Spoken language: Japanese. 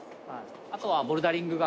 あとはボルダリングが。